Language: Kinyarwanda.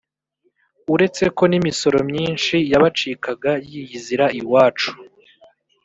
uretse ko n’imisoro myinshi yabacikaga yiyizira iwacu